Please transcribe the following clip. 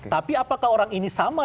tapi apakah orang ini sama